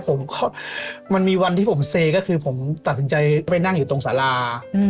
มันมีวันที่ผมเซก็คือผมตัดสินใจไปนั่งอยู่ตรงสารา